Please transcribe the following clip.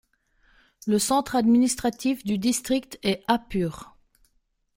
Le centre administratif du district est Hapur.